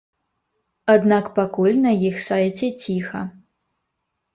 Аднак пакуль на іх сайце ціха.